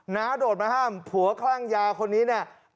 น้าโดดมาห้ามผัวคลั่งยาคนนี้เนี่ย